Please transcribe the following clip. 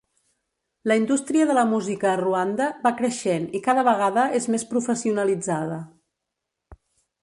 La indústria de la música a Ruanda va creixent i cada vegada és més professionalitzada.